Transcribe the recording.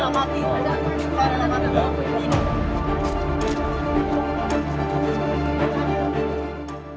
terus tidak saya tidak mati